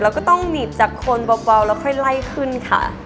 แล้วก็ต้องหนีบจากคนเบาแล้วค่อยไล่ขึ้นค่ะ